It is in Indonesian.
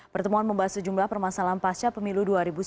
pertemuan membahas sejumlah permasalahan pasca pemilu dua ribu sembilan belas